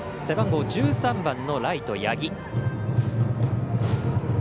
背番号１３番のライト、八木。